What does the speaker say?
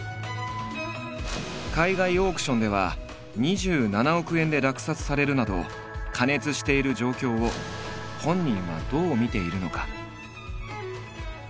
海外オークションでは２７億円で落札されるなど過熱している状況を本人はどう見ているのか。